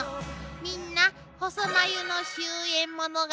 みんな細眉の終えん物語